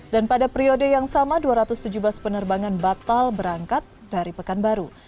dan pada periode yang sama dua ratus tujuh belas penerbangan batal berangkat dari pekan baru